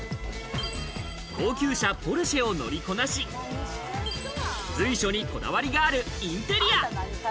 高級車ポルシェを乗りこなし、随所にこだわりがあるインテリア。